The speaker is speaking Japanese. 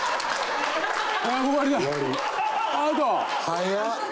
早っ！